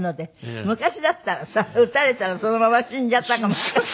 昔だったらさ撃たれたらそのまま死んじゃったかもしれない。